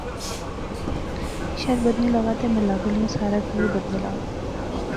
شہر بدھنے لغا تہ محلے گلیاں سارا کی وی بدھنے لغا